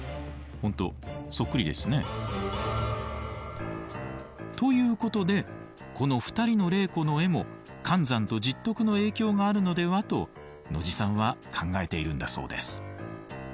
本当そっくりですね。ということでこの２人の麗子の絵も寒山と拾得の影響があるのではと野地さんは考えているんだそうです。